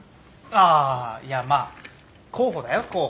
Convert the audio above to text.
あいやまあ候補だよ候補。